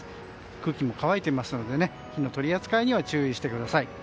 空気も乾いていますので火の取り扱いには注意してください。